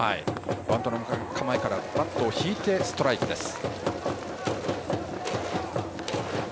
バントの構えからバットを引いてストライクです。